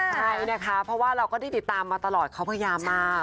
ใช่นะคะเพราะว่าเราก็ได้ติดตามมาตลอดเขาพยายามมาก